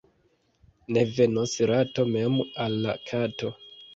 Ne venos rato mem al la kato.